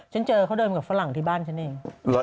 เจอเขาเดินมากับฝรั่งที่บ้านฉันเอง